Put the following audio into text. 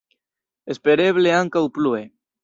Espereble ankaŭ plue.